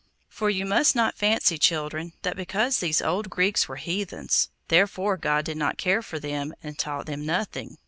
For you must not fancy, children, that because these old Greeks were heathens, therefore God did not care for them, and taught them nothing.